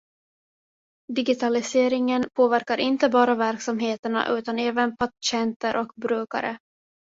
Digitaliseringen påverkar inte bara verksamheterna utan även patienter och brukare.